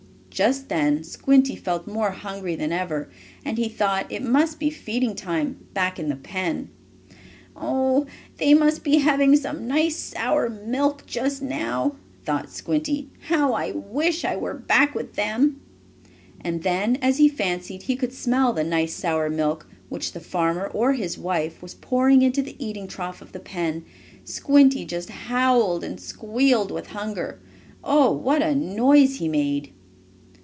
Just then Squinty felt more hungry than ever, and he thought it must be feeding time back in the pen. "Oh, they must be having some nice sour milk just now!" thought Squinty. "How I wish I were back with them!" And then, as he fancied he could smell the nice sour milk, which the farmer or his wife was pouring into the eating trough of the pen, Squinty just howled and squealed with hunger. Oh, what a noise he made!